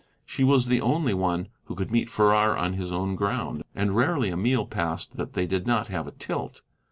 She was the only one who could meet Farrar on his own ground, and rarely a meal passed that they did not have a tilt.